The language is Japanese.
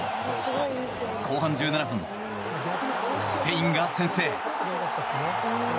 後半１７分、スペインが先制。